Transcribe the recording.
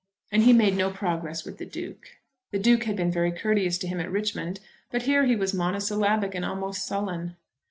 And he made no progress with the Duke. The Duke had been very courteous to him at Richmond, but here he was monosyllabic and almost sullen.